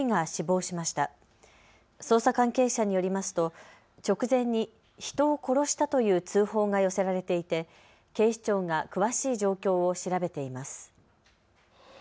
捜査関係者によりますと直前に人を殺したという通報が寄せられていて警視庁が詳しい状況を調べています。